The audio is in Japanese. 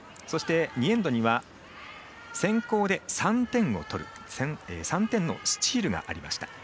そして、２エンドには先攻で３点のスチールがありました。